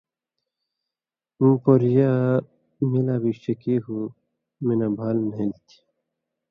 مہ پورژیا می لا بِگ شکی ہُو، می نہ بال نھېلیۡ تھی۔